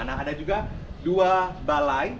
nah ada juga dua balai